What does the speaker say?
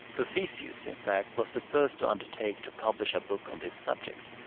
Fuficius, in fact, was the first to undertake to publish a book on this subject.